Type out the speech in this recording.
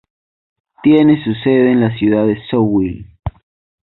Tiene su sede en la ciudad de Zwolle.